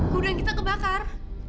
gudang kita kebakar